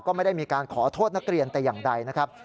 ก็ไม่ได้มีการขอโทษนักเรียนแต่อย่างใดนะครับ